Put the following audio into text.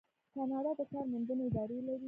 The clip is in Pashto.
کاناډا د کار موندنې ادارې لري.